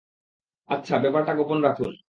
আচ্ছা - ব্যাপারটা গোপন রাখুন।